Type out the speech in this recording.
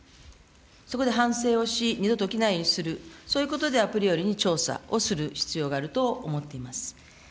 そこで反省をし、二度と起きないようにする、そういうことで、調査をする必要があると思っております。